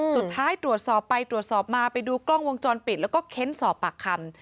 สุดท้ายตรวจสอบไปตรวจสอบมาไปดูกล้องวงจรปิดแล้วก็เค้นสอบปากคำ